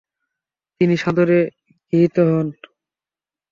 তিনি সাদরে গৃহীত হন।